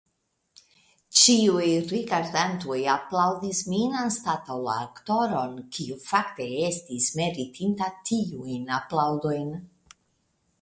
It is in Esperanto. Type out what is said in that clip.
Ĉiuj rigardantoj aplaŭdis min, anstataŭ la aktoron, kiu fakte estis meritinta tiujn aplaŭdojn.